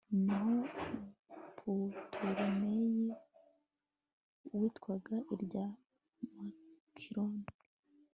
naho putolemeyi, witwaga irya makironi